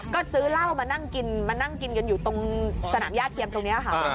ก็ซื้อเหล้ามานั่งกินมานั่งกินกันอยู่ตรงสนามย่าเทียมตรงนี้ค่ะ